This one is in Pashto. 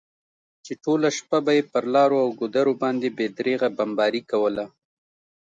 چې ټوله شپه به یې پر لارو او ګودرو باندې بې درېغه بمباري کوله.